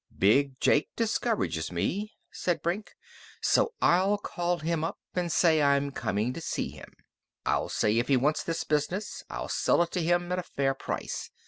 "Big Jake discourages me," said Brink. "So I'll call him up and say I'm coming to see him. I'll say if he wants this business I'll sell it to him at a fair price.